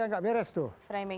yang gak beres tuh